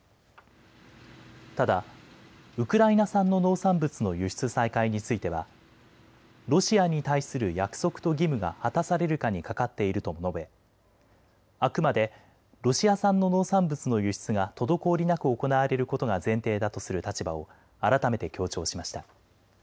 ただウクライナ産の農産物の輸出再開についてはロシアに対する約束と義務が果たされるかにかかっているとも述べあくまでロシア産の農産物の輸出が滞りなく行われることが前提だとする立場を改めて強調しました。